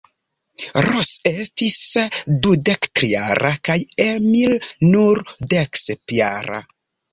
Ros estis dudektrijara kaj Emil nur deksepjara.